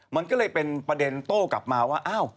มันก็เลยเป็นประเด็นโต้กลับมาว่าอ้าว